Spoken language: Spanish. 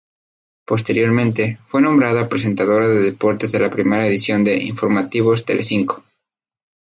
Posteriormente, fue nombrada presentadora de deportes de la primera edición de "Informativos Telecinco".